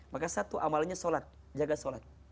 maka satu amalnya solat jaga solat